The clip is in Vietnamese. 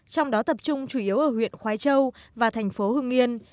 trong đó tập trung chủ yếu ở huyện khói châu và thành phố hưng yên